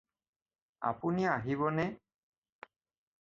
আপুনি আহিবনে?